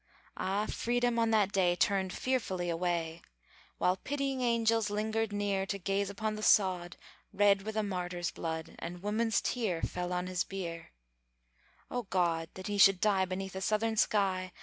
Ah, Freedom on that day Turned fearfully away, While pitying angels lingered near, To gaze upon the sod Red with a martyr's blood; And woman's tear Fell on his bier! Oh, God! that he should die Beneath a Southern sky!